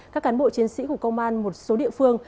các cán bộ chiến sĩ của công an một số địa phương